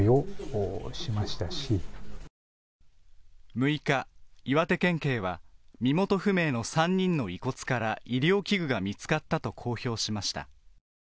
６日、岩手県警は身元不明の３人の遺骨から医療器具が見つかったと公表しました。